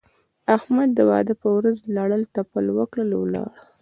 احمد د واده په ورځ لړل تپل وکړل؛ ولاړ.